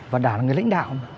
và đảng là người lãnh đạo